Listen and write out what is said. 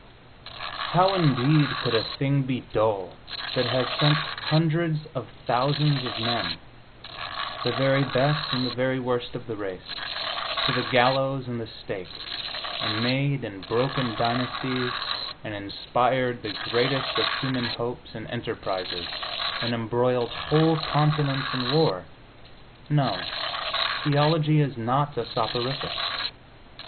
How, indeed, could a thing be dull that has sent hundreds of thousands of men the very best and the very worst of the race to the gallows and the stake, and made and broken dynasties, and inspired the greatest of human hopes and enterprises, and embroiled whole continents in war? No, theology is not a soporific.